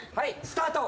スタート。